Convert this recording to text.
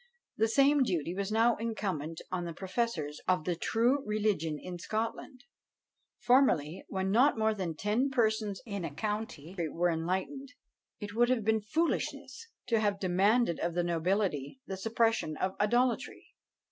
The same duty was now incumbent on the professors of the true religion in Scotland. Formerly, when not more than ten persons in a county were enlightened, it would have been foolishness to have demanded of the nobility the suppression of idolatry.